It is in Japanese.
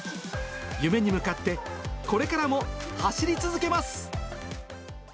夢に向かってこれからも走り続けます。